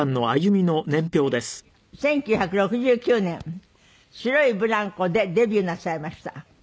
１９６９年『白いブランコ』でデビューなさいました。